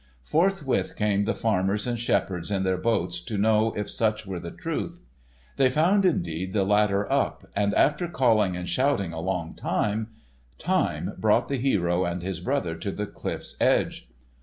Forthwith came the farmers and shepherds in their boats to know if such were the truth. They found, indeed, the ladder up, and after calling and shouting a long time time, brought the hero and his brother to the cliff's edge.